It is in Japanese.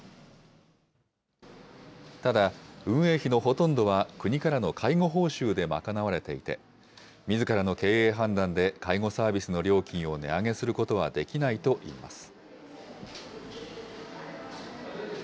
ただ、運営費のほとんどは国からの介護報酬で賄われていて、みずからの経営判断で介護サービスの料金を値上げすることはできないといいます。